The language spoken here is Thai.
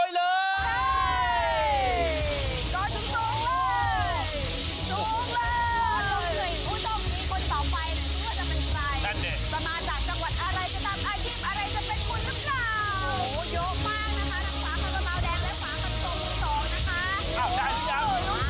เล่นแล้ว